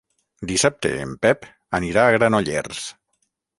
Dissabte en Pep anirà a Granollers.